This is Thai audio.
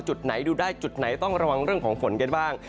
จุดไหนดูได้จุดไหนต้องระวังเรื่องของฝนกันบ้าง